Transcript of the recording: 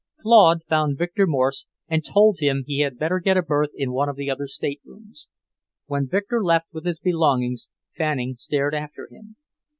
Claude found Victor Morse and told him he had better get a berth in one of the other staterooms. When Victor left with his belongings, Fanning stared after him.